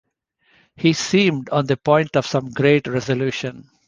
He seemed on the point of some great resolution.